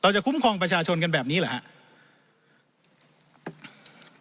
จะคุ้มครองประชาชนกันแบบนี้เหรอครับ